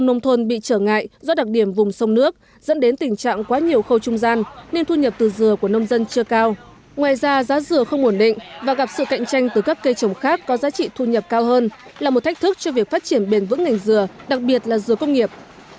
ngoài ra giá trị dừa không ổn định và gặp sự cạnh tranh từ các cây trồng khác có giá trị thu nhập cao hơn là một thách thức cho việc phát triển bền vững ngành dừa đặc biệt là dừa công nghiệp